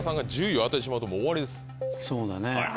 そうだね。